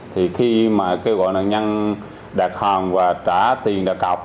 thì khi mà kêu gọi nạn nhân đạt hàng và trả tiền đạt cậu